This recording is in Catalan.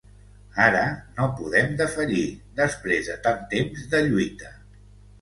Ara no podem defallir, després de tant temps de lluita.